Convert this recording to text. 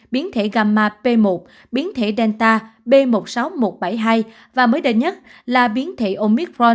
biến thể gamma b một biến thể delta b một sáu một bảy hai và mới đây nhất là biến thể omicron b một một năm hai mươi chín đã được phát hiện